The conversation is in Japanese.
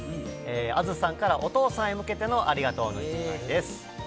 あづさんからお父さんへ向けての、ありがとうの１枚です。